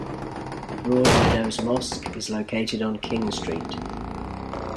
The Broadmeadows Mosque is located on King Street.